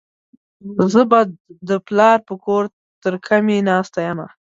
زه به د پلار په کور ترکمي ناسته يمه.